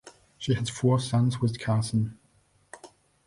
She has four sons with Carson.